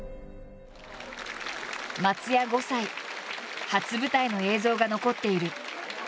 松也５歳初舞台の映像が残っている。